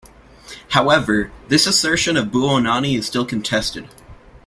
However, this assertion of Buonanni is still contested.